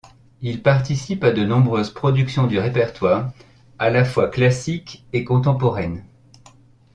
Il participe à de nombreuses productions du répertoire, à la fois classiques et contemporaines.